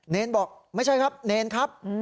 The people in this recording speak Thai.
เนรบอกไม่ใช่ครับเนรครับ